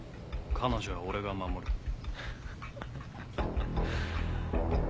彼女は俺が守る。